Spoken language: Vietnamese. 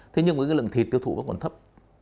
thế nhưng mà cái lượng thịt tiêu thụ vẫn còn thấp